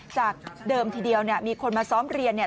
จากเดิมทีเดียวเนี่ยมีคนมาซ้อมเรียนเนี่ย